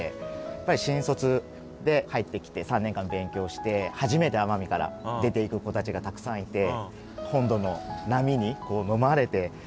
やっぱり新卒で入ってきて３年間勉強して初めて奄美から出ていく子たちがたくさんいて。